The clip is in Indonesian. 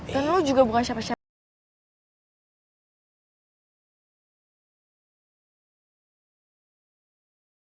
dan lo juga bukan siapa siapa